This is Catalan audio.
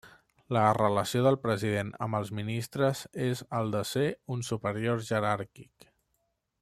La relació del President amb els ministres és el de ser un superior jeràrquic.